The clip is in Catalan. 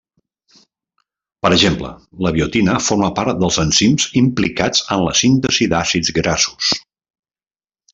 Per exemple, la biotina forma part dels enzims implicats en la síntesi d’àcids grassos.